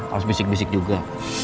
harus bisik bisik juga